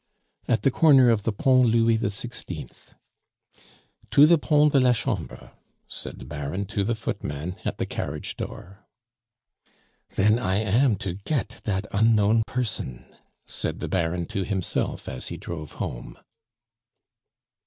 "At the corner of the Pont Louis XVI." "To the Pont de la Chambre," said the Baron to the footman at the carriage door. "Then I am to get dat unknown person," said the Baron to himself as he drove home.